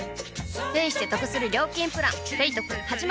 ペイしてトクする料金プラン「ペイトク」始まる！